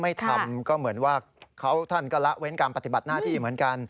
ไม่ทำก็เหมือนว่าเขาท่านก็ละเว้นการปฏิบัติหน้าที่เหมือนกัน